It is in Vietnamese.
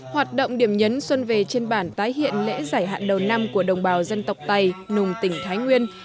hoạt động điểm nhấn xuân về trên bản tái hiện lễ giải hạn đầu năm của đồng bào dân tộc tày nùng tỉnh thái nguyên